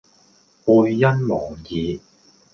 背恩忘義